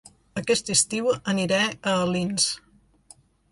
Aquest estiu aniré a Alins